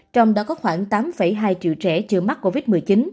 trong đó có khoảng tám hai triệu trẻ chưa mắc covid một mươi chín